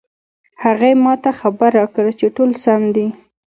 هغې ما ته خبر راکړ چې ټول سم دي